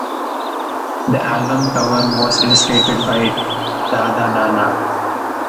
The album cover was illustrated by Dada Nana.